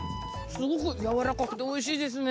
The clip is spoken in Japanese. スゴくやわらかくておいしいですね。